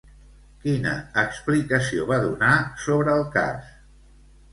Quina explicació va donar sobre el cas?